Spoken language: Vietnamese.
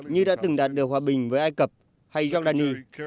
như đã từng đạt được hòa bình với ai cập hay giordani